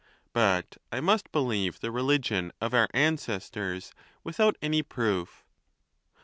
But I must believe the religion of our ancestors without any proof.